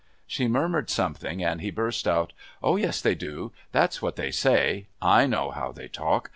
She murmured something, and he burst out, "Oh, yes, they do! That's what they say! I know how they talk.